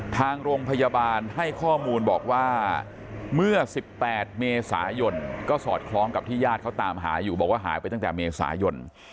ทางโรงพยาบาลให้ข้อมูลบอกว่าเมื่อ๑๘เมษายนก็สอดคล้องกับที่ญาติเขาตามหาอยู่บอกว่าหายไปตั้งแต่เมษายน